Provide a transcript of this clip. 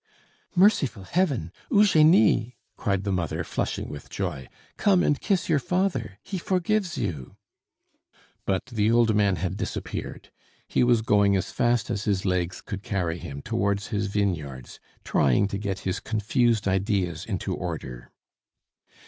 "Merciful heaven! Eugenie," cried the mother, flushing with joy, "come and kiss your father; he forgives you!" But the old man had disappeared. He was going as fast as his legs could carry him towards his vineyards, trying to get his confused ideas into order.